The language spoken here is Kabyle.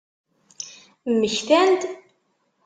Mmektan-d?